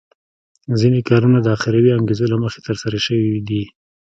ځینې کارونه د اخروي انګېزو له مخې ترسره شوي دي.